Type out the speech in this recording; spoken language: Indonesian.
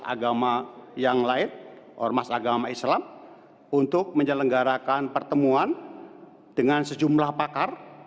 agama yang lain ormas agama islam untuk menyelenggarakan pertemuan dengan sejumlah pakar